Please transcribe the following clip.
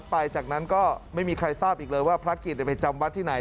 พิจารณาที่ปีเดียวเลือกันออกจากวัดไป